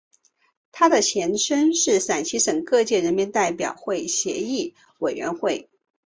它的前身是陕西省各界人民代表会议协商委员会。